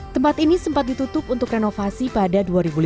tempat ini sempat ditutup untuk renovasi pada dua ribu lima belas